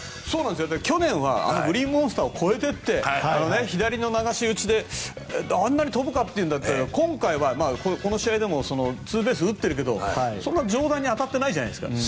去年はグリーンモンスターを越えていって左の流し打ちであんなに飛ぶかといったら今回はこの試合でもツーベースを打ってるけど上段に当たってないじゃないですか。